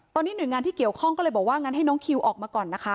ตอนนี้หน่วยงานที่เกี่ยวข้องก็เลยบอกว่างั้นให้น้องคิวออกมาก่อนนะคะ